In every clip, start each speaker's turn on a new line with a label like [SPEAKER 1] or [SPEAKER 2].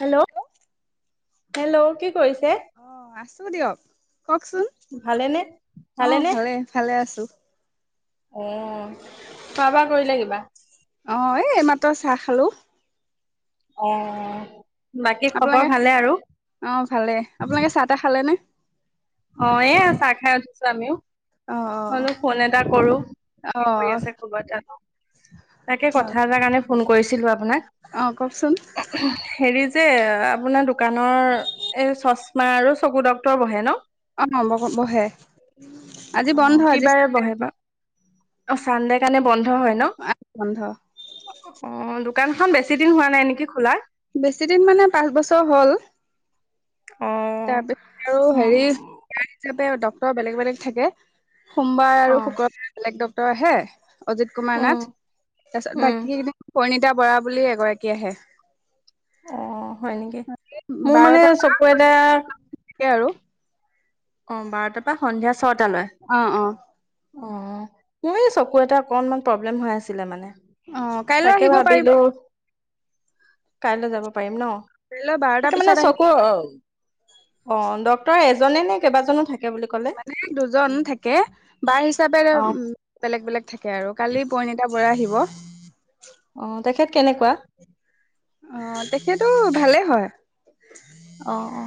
[SPEAKER 1] Hello hello কি কৰিছে?
[SPEAKER 2] আছোঁ' দিয়ক কওকচোন
[SPEAKER 1] ভালেনে
[SPEAKER 2] অ
[SPEAKER 1] ভালেনে
[SPEAKER 2] ভালে ভালে আছো।
[SPEAKER 1] অ', খোৱা-বোৱা কৰিলে কিবা,
[SPEAKER 2] অ', এই মাত্ৰ চাহ খালো।
[SPEAKER 1] অ', বাকী খবৰ
[SPEAKER 2] আপোনালোকে
[SPEAKER 1] ভালে আৰু
[SPEAKER 2] অ', ভালে আপোনালোকে চাহ-তাহ খালে নে?
[SPEAKER 1] অ', এ', চাহ খাই উঠিছো আমিও।
[SPEAKER 2] অ' অ'
[SPEAKER 1] হলো ফোন এটা কৰো কি কৰি
[SPEAKER 2] অ'
[SPEAKER 1] আছে খবৰ এটা লওঁ। তাকে কথা এটাৰ কাৰণে ফোন কৰিছিলো আপ, হয় নে?
[SPEAKER 2] অ' কওকচোন
[SPEAKER 1] হেৰিজ যে', আপোনাৰ দোকানৰ এ', চশমা আৰু চকু ডক্তৰ বহে ন',?
[SPEAKER 2] অ', লগত বহে। আজি বন্ধ
[SPEAKER 1] অ কি
[SPEAKER 2] আজি
[SPEAKER 1] বাৰে
[SPEAKER 2] চানডে,
[SPEAKER 1] বহে বা অ', চান্দে কাৰণে, বন্ধ হয় ন',
[SPEAKER 2] বন্ধ
[SPEAKER 1] অহ', দোকানখন বেছিদিন হোৱা নাই নেকি খোলা?
[SPEAKER 2] বেছিদিন মানে পাঁচ-বছৰ হ'ল।
[SPEAKER 1] অ
[SPEAKER 2] তাৰ পিছত আৰু
[SPEAKER 1] উম
[SPEAKER 2] হেৰি, তেওঁ ডক্তৰ বেলেগ বেলেগ থাকে, সোমবাৰ
[SPEAKER 1] অ
[SPEAKER 2] আৰু শুক্ৰবাৰে বেলেগ ডক্ত, তইহে, অজিত কুমাৰ
[SPEAKER 1] উম
[SPEAKER 2] নাথ, তাৰপিছত
[SPEAKER 1] উম
[SPEAKER 2] বাকী কিনি কৈ, ৰিতা বৰা বুলি এগৰাকী আহে।
[SPEAKER 1] অ', হয় নেকি, মোৰ মানে
[SPEAKER 2] বাৰটা
[SPEAKER 1] চকু এটা
[SPEAKER 2] মানকে আৰু
[SPEAKER 1] অ', বাৰটাৰ পৰা সন্ধিয়া ছটালৈ
[SPEAKER 2] অ', অ
[SPEAKER 1] অ', মোৰ এই চকু এটা অকনমান প্ৰব্লেম হৈ আছিলে মানে।
[SPEAKER 2] অ', কাইলৈ
[SPEAKER 1] তাকে
[SPEAKER 2] আহিব
[SPEAKER 1] ভাবিলো
[SPEAKER 2] পাৰিব।
[SPEAKER 1] কাইলৈ যাব পাৰিম ন',
[SPEAKER 2] ধৰি লও বাৰটা
[SPEAKER 1] তাকে মানে
[SPEAKER 2] পিছত
[SPEAKER 1] চকু
[SPEAKER 2] আহি
[SPEAKER 1] অ', অ', ডক্তৰ এজনে নে, কেইবাজনো থাকে, বুলি ক'লে
[SPEAKER 2] মানে দুজন থাকে বাৰ হিচাপে
[SPEAKER 1] অ
[SPEAKER 2] বেলেগ বেলেগ থাকে আৰু কালি পৰিণিতা বৰা আহিব। অ,
[SPEAKER 1] অ তেখেত কেনেকুৱা
[SPEAKER 2] তেখেতো ভালেই হয়।
[SPEAKER 1] অ অ,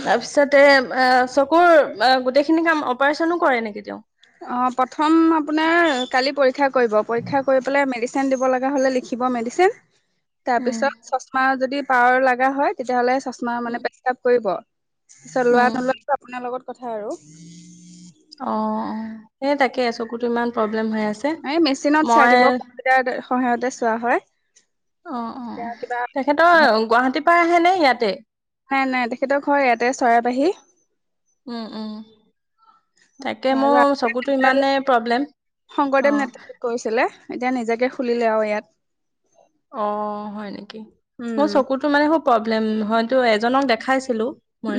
[SPEAKER 1] তাৰপিছতে অ চকুৰ গোটেইখিনি কাম অপাৰচনো কৰে নেকি তেওঁ?
[SPEAKER 2] অ', প্ৰথম আপুনাৰ কালি পৰীক্ষা কৰিব, পৰীক্ষা কৰি পেলায় মেদি ছিন দিব লগা হলে লিখিব মেডিচেন। তাৰ
[SPEAKER 1] উম
[SPEAKER 2] পিছত চছমা যদি পাৱাৰ লগা হয় তেতিয়াহ'লে চচমা মানে প্ৰেছক্ৰাইব কৰিব পিছত লোৱা
[SPEAKER 1] উম
[SPEAKER 2] নোলোৱাটো আপোনাৰ লগত কথা আৰু।
[SPEAKER 1] অ সেই তাকে চকুতো ইমান প্ৰবলেম হৈ আছে,
[SPEAKER 2] এই মেচিনত চাই
[SPEAKER 1] ম‌ই
[SPEAKER 2] দিব কম্পিউটাৰ সহায়তে চোৱা হয়
[SPEAKER 1] অ অ
[SPEAKER 2] তেতিয়া কিবা
[SPEAKER 1] তেখেতৰ
[SPEAKER 2] হেৰি
[SPEAKER 1] গুৱাহাটীত আহে নে ইয়াতে?
[SPEAKER 2] নাই নাই তেখেতৰ ঘৰ ইয়াতে চৰাইবাহি।
[SPEAKER 1] উম উম তাকে মোৰ চকুটো
[SPEAKER 2] আৰু
[SPEAKER 1] ইমানেই প্ৰবলেম,
[SPEAKER 2] শংকৰদেৱ
[SPEAKER 1] অঁ
[SPEAKER 2] নেতাই কৰিছিলে এতিয়া নিজাকে খুলিলে আৰু ইয়াত।
[SPEAKER 1] অ হয় নেকি? মোৰ
[SPEAKER 2] উম
[SPEAKER 1] চকুতো মানে খুব প্ৰবলেম, হয়তো এজনক দেখাইছিলো।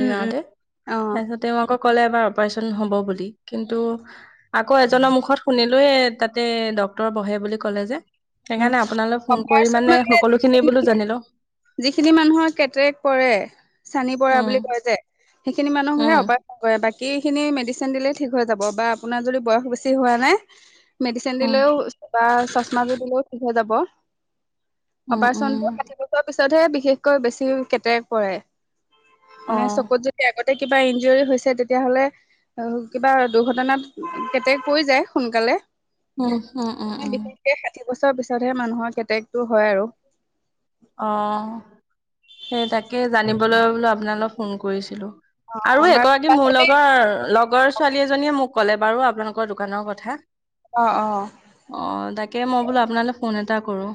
[SPEAKER 2] উম উম অ
[SPEAKER 1] তাৰপিছত তেওঁ আকৌ ক'লে এবাৰ অপাৰেচন হ'ব বুলি। কিন্তু আকৌ এজনৰ মুখত শুনিলো তাতে ডক্তৰ বহে বুলি ক'লে যে।
[SPEAKER 2] উম
[SPEAKER 1] সেইকাৰণে আপোনালোক ফোন কৰি মানে সকলো খিনি বোলো জানি লওঁ।
[SPEAKER 2] যিখিনি মানুহৰ কেটেৰেক পৰে চানি পৰা
[SPEAKER 1] উম
[SPEAKER 2] বুলি কয় যে সেইখিনি মানুহক হে
[SPEAKER 1] উম
[SPEAKER 2] অপাৰেশ্যন কৰে বা কি খিনি মেডিচিন দিলেই ঠিক হৈ যাব বা আপোনাৰ যদি বয়স বেছি হোৱা নাই মেডিচিন
[SPEAKER 1] উম
[SPEAKER 2] দিলেও বা চচমাযোৰ দিলেও ঠিক হৈ যাব।
[SPEAKER 1] উম উম
[SPEAKER 2] অপাৰেচন পিছতহে বিশেষকৈ বেছি কেতেক পৰে।
[SPEAKER 1] অ
[SPEAKER 2] নাই চকুত যদি আগত কিবা ইঞ্জৰি হৈছে তেতিয়াহ'লে, কিবা দুৰ্ঘটনাত কেতে কৈ যায় সোনকালে
[SPEAKER 1] উম, উম, উম, উম।
[SPEAKER 2] এক বছৰৰ পিছতহে মানুহৰ কেতেকটো হয় আৰু।
[SPEAKER 1] অ' সেই তাকে জানিবলৈ বোলো আপোনালে ফোন কৰিছিলো।
[SPEAKER 2] অ
[SPEAKER 1] আৰু
[SPEAKER 2] বাৰু
[SPEAKER 1] এগৰাকী মোৰ
[SPEAKER 2] তথাপি
[SPEAKER 1] লগৰ, লগৰ ছোৱালী এজনীয়ে মোক ক'লে বাৰু, আপোনালোকৰ দোকানৰ কথা।
[SPEAKER 2] অ অ
[SPEAKER 1] অ' তাকে, মই বোলো আপোনালে ফোন এটা কৰো।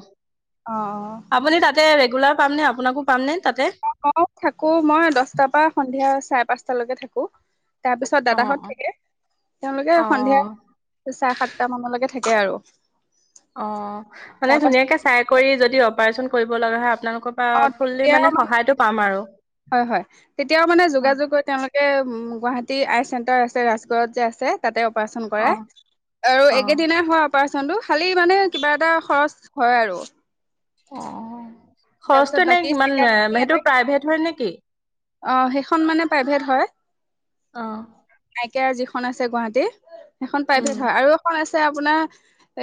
[SPEAKER 2] অ' অ'।
[SPEAKER 1] আপুনি তাতে ৰেগুলাৰ পামনে, আপোনাকো পামনে? তাতে?
[SPEAKER 2] অ' মই থাকো। মই দশটাৰ পৰা সন্ধিয়া চাৰে পাঁচ তালৈকে থাকো। তাৰপিছত
[SPEAKER 1] অ'
[SPEAKER 2] দাদাহঁত
[SPEAKER 1] অ'
[SPEAKER 2] থাকে। তেওঁলোকে
[SPEAKER 1] অ
[SPEAKER 2] সন্ধিয়া চাৰে-সাতটা মানলৈকে থাকে। কে আৰু।
[SPEAKER 1] অ', মানে
[SPEAKER 2] তাৰ পাছত
[SPEAKER 1] ধুনীয়াকে চাই কৰি যদি অপাৰচন কৰিব লগা হয়, আপোনালোক।
[SPEAKER 2] অ' তেতিয়াও মানে, হয় হয় তেতিয়াও মানে
[SPEAKER 1] অ'
[SPEAKER 2] যোগাযোগ কৈ তেওঁলোকে। গুৱাহাটীৰ আই চেণ্টাৰ আছে ৰাজগড়ত যে আছে, তাতে অপ অপাৰেচন কৰায়,
[SPEAKER 1] অ'
[SPEAKER 2] আৰু
[SPEAKER 1] অ'
[SPEAKER 2] একেদিনাই হোৱা অপাৰেচন চনটো খালি মানে কিবা এটা খৰচ হয় আৰু। [inaudible]
[SPEAKER 1] অ'।
[SPEAKER 2] তাৰপিছত
[SPEAKER 1] খৰচটো এনে
[SPEAKER 2] বাকী
[SPEAKER 1] কিমান?
[SPEAKER 2] চেকাপ খিনি ইয়াতে
[SPEAKER 1] সেইটো প্ৰাইভেট হয় নেকি?
[SPEAKER 2] অ' সেইখন মানে প্ৰাইভেট হয়।
[SPEAKER 1] অ'
[SPEAKER 2] আই কেয়াৰ যিখন আছে গুৱাহাটীৰ। এখন
[SPEAKER 1] উম
[SPEAKER 2] প্ৰাইভেট হয়। আৰু এখন আছে। ছে আপোনাৰ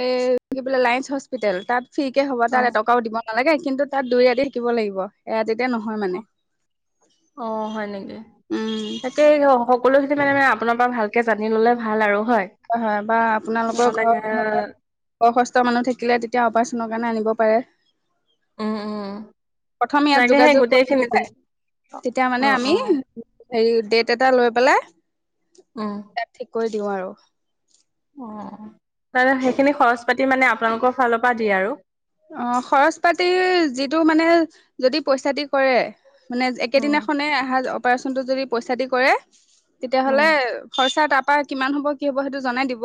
[SPEAKER 2] এ কি বোলে, লায়ন্স হস্পিতেল তাত। ফিকে হ'ব তাত
[SPEAKER 1] অ'
[SPEAKER 2] এটকাও দিব। নালাগে, কিন্তু তাত দুই ৰাতি থাকিব লাগিব। এৰাতি। তে নহয় মানে।
[SPEAKER 1] অ' হয় নেকি?
[SPEAKER 2] উম
[SPEAKER 1] তাকেই সকলোখিনি মানে-মানে আপোনাৰ পৰা ভালকে জানি ল'লে ভাল আৰু।
[SPEAKER 2] হয় হয় বা আপোনালোকৰ
[SPEAKER 1] নহ'লে
[SPEAKER 2] ঘৰৰ কোনোবা বয়সস্থ মানুহ থাকিলে তেতিয়া অপাৰেচনৰ কাৰণে আনিব পাৰে।
[SPEAKER 1] উম উম।
[SPEAKER 2] প্ৰথম ইয়াত
[SPEAKER 1] তাকে সেই
[SPEAKER 2] যোগাযোগ
[SPEAKER 1] গোটেইখিনি
[SPEAKER 2] কৰি তেতিয়া
[SPEAKER 1] অ
[SPEAKER 2] মানে
[SPEAKER 1] অ
[SPEAKER 2] আমি হেৰি ডেট এটা লৈ পেলাই
[SPEAKER 1] অ
[SPEAKER 2] ইয়াত ঠিক কৈ দিও আৰু।
[SPEAKER 1] অ-অ। তাতে সেইখিনি খৰচ পাতি মানে আপোনালোকৰ ফালৰ পৰা দিয়ে আৰু।
[SPEAKER 2] অ' খৰচ পাতি যিটো মানে যদি পইচা দি কৰে মানে
[SPEAKER 1] উম
[SPEAKER 2] একেদিনাখনে আহা অপাৰচনটো যদি পইচা দি কৰে
[SPEAKER 1] উম
[SPEAKER 2] তেতিয়াহ'লে খৰচা তাপ পা কিমান হব কি হ'ব সেইটো জনাই দিব।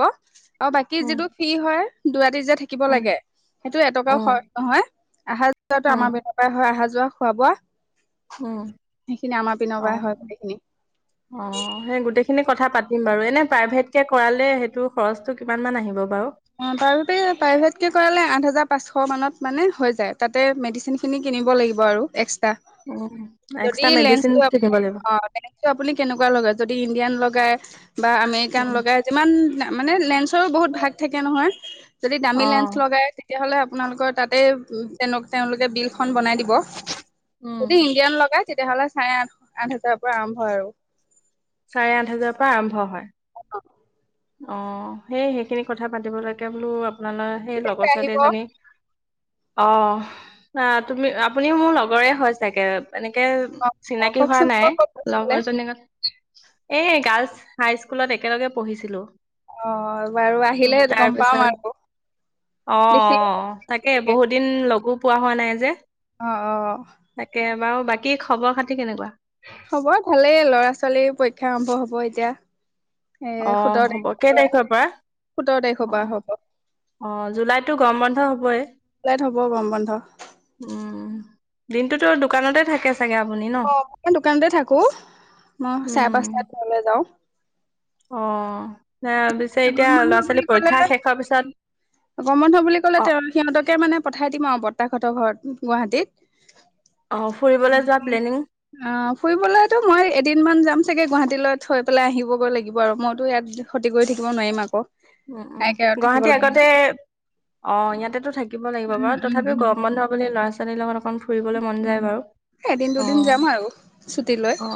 [SPEAKER 2] অ' বাকী
[SPEAKER 1] উম
[SPEAKER 2] যিটো ফি হয় দুুৰাতি যে থাকিব
[SPEAKER 1] উম
[SPEAKER 2] লাগে টো এটকাও
[SPEAKER 1] উম
[SPEAKER 2] খৰচ নহয় আহা যোৱাটো
[SPEAKER 1] উম
[SPEAKER 2] আমাৰ পিনৰ পৰাই হয়। অহা-যোৱা, খোৱা-বোৱা।
[SPEAKER 1] উম'
[SPEAKER 2] পৰাই হয় গোটেইখিনি।
[SPEAKER 1] অ-অ, সেই গোটেই সেইখিনি কথা পাতিম বাৰু এনে প্ৰাইভেটকে কৰালে, সেইটো খৰচটো কিমানমান আহিব বাৰু
[SPEAKER 2] অ' প্ৰাইভেট-প্ৰাইভেট কে কৰালে আঠ হাজাৰ পাঁচশ শ মানত মানে হৈ যায়, তাতে মেডিচিনখিনি কিনিব লাগিব আৰু এক্স
[SPEAKER 1] উম এক্সট্ৰা
[SPEAKER 2] যদি
[SPEAKER 1] মেডিচিন
[SPEAKER 2] লেন্সটো আপ
[SPEAKER 1] কিনিব লাগিব
[SPEAKER 2] অ লেন্সটো আপুনি কেনেকুৱা লগাই, যদি ইণ্ডিয়ান ল গাই। বা' আমেৰিকান
[SPEAKER 1] উম
[SPEAKER 2] লগাই। যিমান মানে লেন্স টো, বহুত ভাগ থাকে নহয়। যদি দামী
[SPEAKER 1] অ
[SPEAKER 2] লেন্স লগাই তেতিয়াহ'লে আপোনালোকৰ তাতে তেওঁ-তেওঁলোকে বিল খন বনাই দিব।
[SPEAKER 1] উম
[SPEAKER 2] যদি ইণ্ডিয়ান লগাই তেতিয়াহলে চাৰে আঠ, আঠ হাজাৰৰ পৰা আৰম্ভ হয় আৰু।
[SPEAKER 1] চাৰে আঠ হাজাৰৰ পৰা আৰম্ভ হয়। অ' সেই সেইখিনি কথা পাতিব লৈকে‌ বোলো আপোনালোকৰ সেই
[SPEAKER 2] ঠিক আছে
[SPEAKER 1] লগৰ ছোৱালী
[SPEAKER 2] আহিব অ'
[SPEAKER 1] এজনী অ' তুমি, আপুনি মোৰ লগৰে হয় চাগে। এনেকে
[SPEAKER 2] অ'
[SPEAKER 1] চিনাকি হোৱা
[SPEAKER 2] কওকচোন
[SPEAKER 1] নাই,
[SPEAKER 2] ক'ত ক'ত গৈছিলে?
[SPEAKER 1] লগৰ জনী এ গাৰ্লছ হাই স্কুলত একেলগে পঢ়িছিলো। উ
[SPEAKER 2] অ' বাৰু আহিলে গম পাম
[SPEAKER 1] তাৰপিছত
[SPEAKER 2] আৰু দেখিলে
[SPEAKER 1] অ-অ, তাকে
[SPEAKER 2] চাগে
[SPEAKER 1] বহুত দিন লগো পোৱা হোৱা নাই যে।
[SPEAKER 2] অ অ।
[SPEAKER 1] তাকে বাৰু বাকী খবৰ খাতি কেনেকুৱা?
[SPEAKER 2] খবৰ ভালেই ল'ৰা ছোৱালীৰ পৰীক্ষা আৰম্ভ হব এতিয়া।
[SPEAKER 1] অ‌ হ'ব কেই তাৰিখৰ পৰা?
[SPEAKER 2] সোতৰ তাৰিখৰ
[SPEAKER 1] অ
[SPEAKER 2] পৰা হ'ব।
[SPEAKER 1] অ জুলাইততো গৰম বন্ধ হবই
[SPEAKER 2] লেট হ'ব গৰম বন্ধ।
[SPEAKER 1] উম। দিনটোতো দোকানতে থাকে চাগে আপুনি ন
[SPEAKER 2] অ‌ মই দোকানতে থাকো। মই চাৰে
[SPEAKER 1] উম
[SPEAKER 2] পাঁচটাত ঘৰলে যাওঁ।
[SPEAKER 1] অহ। পিছে
[SPEAKER 2] গৰম
[SPEAKER 1] এতিয়া
[SPEAKER 2] বন্ধ
[SPEAKER 1] ল'ৰা
[SPEAKER 2] বুলি
[SPEAKER 1] ছোৱালী
[SPEAKER 2] ক'লে
[SPEAKER 1] পৰীক্ষা শেষৰ পিছত
[SPEAKER 2] গৰম বন্ধ বুলি ক'লে
[SPEAKER 1] অ
[SPEAKER 2] তেওঁ সিহঁতকে মানে পঠাই দিম আৰু বৰ্তাকহতৰ ঘৰত। গুৱাহাটীত
[SPEAKER 1] অ ফুৰিবলৈ যোৱা প্লেনিং
[SPEAKER 2] অ ফুৰিবলেতো মই এদিন মান যাম। চাগে গুৱাহাটীলৈ থৈ পেলাই আহিব গৈ লাগিব আৰু মইতো ইয়াত খতি কৰি থাকিব নোৱাৰিম আকৌ।
[SPEAKER 1] অ অ
[SPEAKER 2] তাই কেয়াৰত থাকিব
[SPEAKER 1] গুৱাহাটী
[SPEAKER 2] লাগিব।
[SPEAKER 1] আগতে অ ইয়াতেতো থাকিব লাগিব
[SPEAKER 2] উম
[SPEAKER 1] বাৰু।
[SPEAKER 2] উম
[SPEAKER 1] তথাপিও
[SPEAKER 2] উম
[SPEAKER 1] গৰম বন্ধ বুলি ল'ৰা ছোৱালী লগত ফুৰিবলে মন যায়
[SPEAKER 2] উম।
[SPEAKER 1] বাৰু
[SPEAKER 2] এদিন
[SPEAKER 1] অ
[SPEAKER 2] দুদিন যাম আৰু ছুটি লৈ
[SPEAKER 1] অ।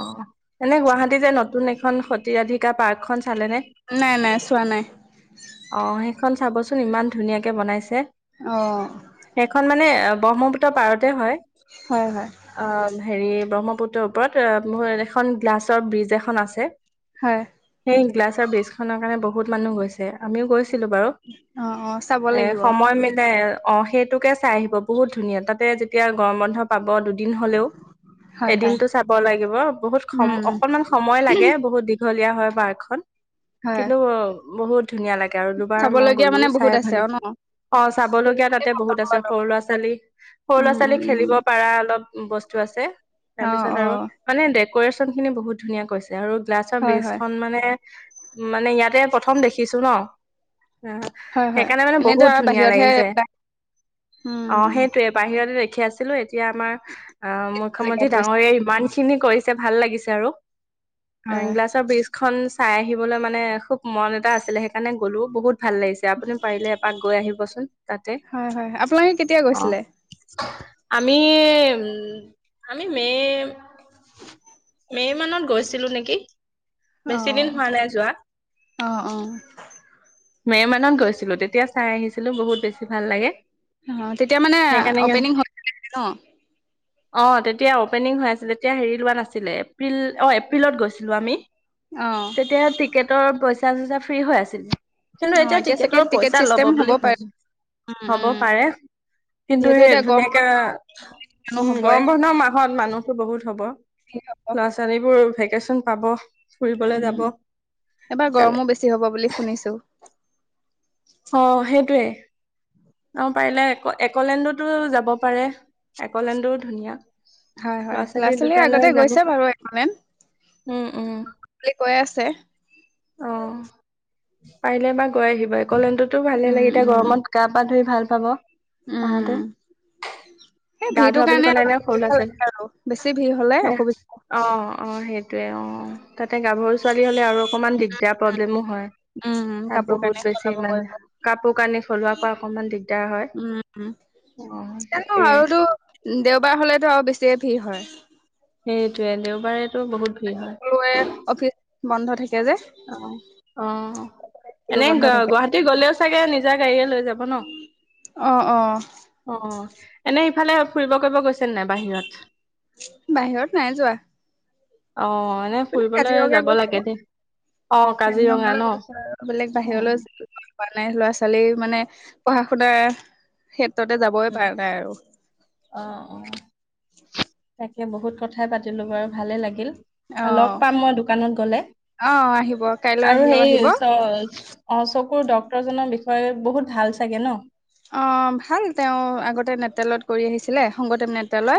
[SPEAKER 1] এনে গুৱাহাটীত যে নতুন এক এইখন সতিৰাধিকাৰ পাৰ্কখন চালে নে?
[SPEAKER 2] নাই নাই চোৱা নাই।
[SPEAKER 1] সেখন চাবচোন ইমান ধুনীয়া কে বনাইছে।
[SPEAKER 2] অ।
[SPEAKER 1] সেইখন মানে অ ব্ৰহ্মপুত্ৰৰ পাৰতে হয়।
[SPEAKER 2] হয় হয়
[SPEAKER 1] অ হেৰি ব্ৰহ্মপুত্ৰৰ ওপৰত ম এখন গ্লাছৰ ব্ৰিজ এখন আছে।
[SPEAKER 2] হয়।
[SPEAKER 1] এই গ্লাছৰ ব্ৰীজখনৰ কাৰণ বহুত মানুহ গৈছে। আমিও গৈছো গৈছিলো বাৰু
[SPEAKER 2] অ অ চাব
[SPEAKER 1] এ
[SPEAKER 2] লাগিব
[SPEAKER 1] সময় মিলাই অ সেইতো তোকে চাই আহিব বহুত ধুনীয়া তাতে এতিয়া গৰম বন্ধ পাব ব দুদিন হলেও
[SPEAKER 2] হয় হয়
[SPEAKER 1] এদিন তো চাব লাগিব। বহুত
[SPEAKER 2] উম
[SPEAKER 1] সময় অকণমান সময় লাগে‌ বহুত দীঘল দিয়া হয় বাৰ এখন
[SPEAKER 2] হয়।
[SPEAKER 1] কিন্তু বহুত ধুনীয়া লাগে আৰু দুবাৰ মই
[SPEAKER 2] চাবলগীয়া
[SPEAKER 1] গ'লো
[SPEAKER 2] মানে
[SPEAKER 1] চাই
[SPEAKER 2] বহুত আছে
[SPEAKER 1] ভালে
[SPEAKER 2] অ ন
[SPEAKER 1] অঁ চাব লগগীয়া তাতে বহুত আছে সৰু ল'ৰা ছোৱালী সৰু ল'ৰা
[SPEAKER 2] উম
[SPEAKER 1] ছোৱালী
[SPEAKER 2] উম উম
[SPEAKER 1] খেলিব পাৰা অলপ বস্তু আছে
[SPEAKER 2] অ
[SPEAKER 1] তাৰ পিছত
[SPEAKER 2] অ
[SPEAKER 1] আৰু মানে দে কোৰেশ্যনখিনি বহুত ধুনীয়া কৈছে আৰু গ্লাছৰ
[SPEAKER 2] হয় হয়
[SPEAKER 1] ব্ৰীজখন মানে মানে ইয়াতে প্ৰথম দেখি শিকিছো ন অ',
[SPEAKER 2] হয় হয়
[SPEAKER 1] সেইকাৰণে মানে
[SPEAKER 2] এনেতো
[SPEAKER 1] বহুত
[SPEAKER 2] আৰু
[SPEAKER 1] ধুনীয়া
[SPEAKER 2] বাহিৰতহে
[SPEAKER 1] লাগিছে
[SPEAKER 2] এইবিলাক
[SPEAKER 1] অ',
[SPEAKER 2] উম
[SPEAKER 1] সেইটোৱে বাহিৰতে দেখি আছিলো এতিয়া আমাৰ অ ', মুখ্যমন্ত্ৰী
[SPEAKER 2] জেগাত হৈছে
[SPEAKER 1] ডাঙৰীয়াই ইমান খিনি কৰিছে ভাল লাগিছে আৰু
[SPEAKER 2] হয়
[SPEAKER 1] এগলাছৰ ব্ৰিজখন চাই আহিবলৈ মানে খুব মন এটা আছে। সেইকাৰণে গলো বহুত ভাল লাগিছে আপুনি পাৰিলে এপাক গৈ আহিবচোন তাতে
[SPEAKER 2] হয় হয় আপোনালোকে কেতিয়া
[SPEAKER 1] অ',
[SPEAKER 2] গৈছিলে
[SPEAKER 1] আমি উম', আমি মে - মে মানত গৈছিলো নেকি?
[SPEAKER 2] অহ
[SPEAKER 1] বেছি দিন
[SPEAKER 2] ',
[SPEAKER 1] হোৱা নাই যোৱা
[SPEAKER 2] - অহ', অ',
[SPEAKER 1] মেমানত গৈছিলো তেতিয়া চাই আহিছিলো বহুত বেছি ভাল লাগে
[SPEAKER 2] অ তেতিয়া মানে
[SPEAKER 1] সেইকাৰণে
[SPEAKER 2] অপেনিং হৈ ন
[SPEAKER 1] অ', তেতিয়া অপেনিং হৈ আছিলে তেতিয়া হেৰি লোৱা নাছিলে এপ্ৰিল অ ', এপ্ৰিলত গৈছিলো আমি।
[SPEAKER 2] অ
[SPEAKER 1] তেতিয়া টিকেটৰ পইচা চাৰ হজাৰ ফ্ৰী হৈ আছিল। খালী
[SPEAKER 2] অ
[SPEAKER 1] এতিয়া
[SPEAKER 2] চাগে
[SPEAKER 1] টিকেটৰ
[SPEAKER 2] টিকেট
[SPEAKER 1] পইচা লব
[SPEAKER 2] চিষ্টেম হ'ব
[SPEAKER 1] বুলি
[SPEAKER 2] পাৰে
[SPEAKER 1] শুনিছো
[SPEAKER 2] উম
[SPEAKER 1] হব
[SPEAKER 2] উম
[SPEAKER 1] পাৰে কিন্তু
[SPEAKER 2] যিহেতু
[SPEAKER 1] সেই
[SPEAKER 2] এতিয়া
[SPEAKER 1] ধুনীয়াকে
[SPEAKER 2] গৰমত মানুহ
[SPEAKER 1] উম ',
[SPEAKER 2] হবই
[SPEAKER 1] গৰম বন্ধৰ মাহত মানুহ টো বহুত হ'ব।
[SPEAKER 2] ভিৰ হ'ব
[SPEAKER 1] লৰা ছোৱালীবোৰ ভেকেচন পাব। ফুৰিবলৈ যাব
[SPEAKER 2] উম', এবাৰ
[SPEAKER 1] সেইকাৰণে
[SPEAKER 2] গৰমো বেছি হ'ব বুলি শুনিছোঁ।
[SPEAKER 1] অ [inaudible] অ ', পাৰিলে একলেণ্ডোতো যাব পাৰে একলেণ্ডও ধুনীয়া।
[SPEAKER 2] হয় -হয় ল'ৰা ছোৱালী আগতে গৈছে বাৰু একলেণ্ড
[SPEAKER 1] উম উম
[SPEAKER 2] কৈ আছে।
[SPEAKER 1] অ পাৰিলে এবাৰ গৈ আহিবা। একলেণ্ড ভালে
[SPEAKER 2] উম
[SPEAKER 1] লাগে এতিয়া
[SPEAKER 2] উম
[SPEAKER 1] গৰমত গা পা ধুই ভাল হব। আহতে
[SPEAKER 2] উম, এই
[SPEAKER 1] গা
[SPEAKER 2] ভিৰটোৰ
[SPEAKER 1] ধোৱা বুলি
[SPEAKER 2] কাৰণে
[SPEAKER 1] কলে
[SPEAKER 2] অলপ
[SPEAKER 1] ন সৰু ল
[SPEAKER 2] অসুবিধা
[SPEAKER 1] আছে
[SPEAKER 2] লাগে আৰু বেছি ভিৰ হলে অসুবিধা।
[SPEAKER 1] অ', - অ', সেই [unintelligible] তেওঁ। তাতে গাভৰু ছোৱালী হলে আৰু। অকমান দিগদাৰ প্ৰব্লেমো হয়
[SPEAKER 2] উম,
[SPEAKER 1] তাত
[SPEAKER 2] কাপোৰ কানি
[SPEAKER 1] বহুত বেছি
[SPEAKER 2] সলাব
[SPEAKER 1] মানে
[SPEAKER 2] কৰিব
[SPEAKER 1] কাপোৰ কানি খলোৱাৰ পৰা অকমান দিগদাৰ হয়
[SPEAKER 2] উম, উম।
[SPEAKER 1] আহ ',
[SPEAKER 2] জানো
[SPEAKER 1] তাকেই।
[SPEAKER 2] আৰুতো দেওবাৰ হলেতো আৰু বেছিয়ে ভিৰ হয়।
[SPEAKER 1] সেইটোৱে দেওবাৰে। বহুত ভিৰ
[SPEAKER 2] সকলোৱে
[SPEAKER 1] হয়।
[SPEAKER 2] অফিচ বন্ধ থাকে। যে
[SPEAKER 1] অ অ,
[SPEAKER 2] স্কুলো
[SPEAKER 1] এনে
[SPEAKER 2] বন্ধ থাকে।
[SPEAKER 1] গুৱাহাটী গলে। চাগে নিজা গাডীয়ে লৈ। যাব ন
[SPEAKER 2] অ', অ',
[SPEAKER 1] এনে। ইফালে ফুৰিব কৰিব গৈছা?
[SPEAKER 2] বাহিৰত নাই যোৱা।
[SPEAKER 1] অ, এনে
[SPEAKER 2] বোলে
[SPEAKER 1] ফুৰিবলৈ যাব লাগে দেই।
[SPEAKER 2] খেতিয়ক
[SPEAKER 1] কাজিৰঙা ন?
[SPEAKER 2] সকলক
[SPEAKER 1] উম
[SPEAKER 2] বাহিৰলৈ যোৱাৰ [unintelligible] পোৱা নাই ল'ৰা ছোৱালী মানে, পঢ়া শুনা। কতো যাবই
[SPEAKER 1] উম
[SPEAKER 2] পাৰা নাই আৰু।
[SPEAKER 1] অ অ তাকে, বহুত কথাই পাতিলো বাৰু ভালে লাগিল। লগ
[SPEAKER 2] অ',
[SPEAKER 1] পাম মই দোকানত গলে,
[SPEAKER 2] অ', আহিব কাইলৈ
[SPEAKER 1] আৰু
[SPEAKER 2] আহিলেও আহিব।
[SPEAKER 1] সেই চকুৰ ডাক্তৰ জনৰ। হয়, বহুত ভাল চাগে ন?
[SPEAKER 2] অ, ভাল তেওঁ আগতে নেতেলত কৰি আহিছিলে সংগত। নেতল
[SPEAKER 1] অ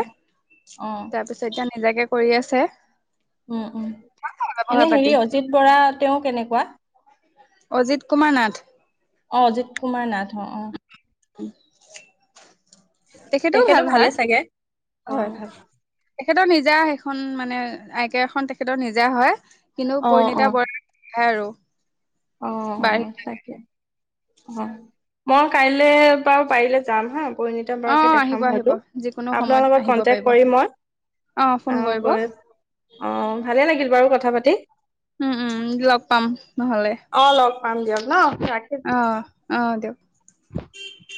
[SPEAKER 1] অ
[SPEAKER 2] এতিয়া [unintelligible] নিজাকে কৰি আছে।
[SPEAKER 1] উম উম,
[SPEAKER 2] ব্যৱহাৰ
[SPEAKER 1] এনে
[SPEAKER 2] পাতি
[SPEAKER 1] হেৰি অজিত বৰা। তেওঁ কেনেকুৱা?
[SPEAKER 2] অজিত কুমাৰ নাথ।
[SPEAKER 1] অ, অজিত কুমাৰ নাথ অ অ।
[SPEAKER 2] টি [unintelligible]
[SPEAKER 1] তেখেতো ভালে চাগে? অ।
[SPEAKER 2] হয় ভাল। তেখেতৰ নিজা সেইখন মানে, আই টি আই খন তেখেতৰ নিজা হয়। কিন্তু
[SPEAKER 1] অ অ
[SPEAKER 2] পৰিণীতা বৰা। নাহে আৰু।
[SPEAKER 1] অ অ
[SPEAKER 2] বাঢ়ি
[SPEAKER 1] তাকে। অ, মই কাইলৈ বাৰু পাৰিলে যাম হা। পৰিণীতম বৰাকে
[SPEAKER 2] অ', আহিব
[SPEAKER 1] দেখাম
[SPEAKER 2] আহিব
[SPEAKER 1] হয়তো
[SPEAKER 2] যিকোনো
[SPEAKER 1] আপোনাৰ
[SPEAKER 2] সময়ত
[SPEAKER 1] লগত
[SPEAKER 2] আহিব
[SPEAKER 1] কন্টেক্
[SPEAKER 2] পাৰিব।
[SPEAKER 1] কৰিম মই
[SPEAKER 2] ফোন কৰিব
[SPEAKER 1] অ অ ভালে লাগিল বাৰু ক কথা পাতি
[SPEAKER 2] উম, উম লগ পাম। নহ'লে
[SPEAKER 1] অ লগ পাম দিয়ক ন ৰাখিছো
[SPEAKER 2] অ', অ দিয়ক।
[SPEAKER 1] [unintelligible]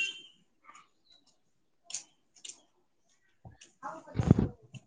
[SPEAKER 2] আ ক [unintelligible]